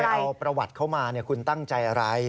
เอาประวัติเข้ามาคุณตั้งใจอะไร